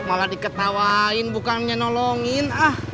oh malah diketawain bukannya nolongin